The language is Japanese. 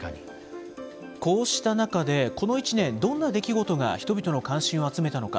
こうした中で、この一年、どんな出来事が人々の関心を集めたのか。